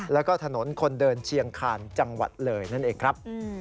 แล้วก็ถนนคนเดินเชียงคาญจังหวัดเลยนั่นเองครับ